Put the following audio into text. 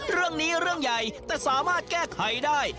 เรื่องนี้เรื่องใหญ่แต่สามารถแก้ไขได้